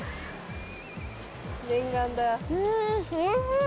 念願だ。